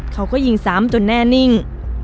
เขาก็ยิงซ้ำจนแน่นิ่ง